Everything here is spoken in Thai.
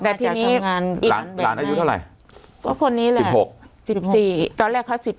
มาจากทำงานอีกครั้งก็คนนี้แหละเสพสี่ตอนแรกเขาสิบ